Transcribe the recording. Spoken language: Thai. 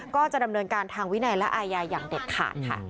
ก็จะดำเนินการทางวินัยและอาญาอย่างเด็ดขาดค่ะ